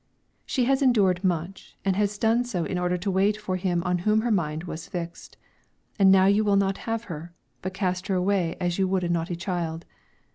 She has endured much, and has done so in order to wait for him on whom her mind was fixed. And now you will not have her, but cast her away as you would a naughty child.